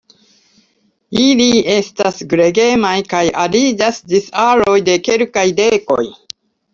Ili estas gregemaj kaj ariĝas ĝis aroj de kelkaj dekoj.